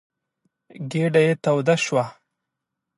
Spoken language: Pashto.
ګېډه یې توده شوه.